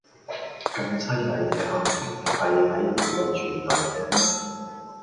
咁淒厲既喊聲係喺邊度傳黎嘅呢